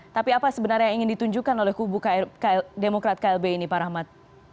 tapi apa sebenarnya yang ingin ditunjukkan oleh kubu demokrat klb ini pak rahmat